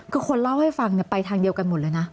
คือคนเล่าให้ฟังไปทางเดียวกันหมดเลยนะ